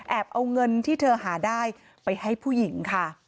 เอาเงินที่เธอหาได้ไปให้ผู้หญิงค่ะ